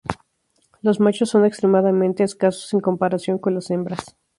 Los machos son extremadamente escasos en comparación con las hembras.